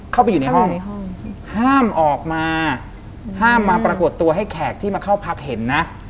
เข้าไปอยู่ในห้องในห้องห้ามออกมาห้ามมาปรากฏตัวให้แขกที่มาเข้าพักเห็นนะ